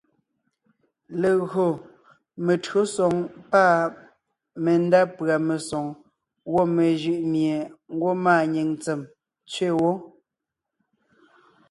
Legÿo metÿǒsoŋ pâ mendá pʉ̀a mesoŋ gwɔ̂ mejʉʼ mie ngwɔ́ maanyìŋ ntsèm tsẅe wó;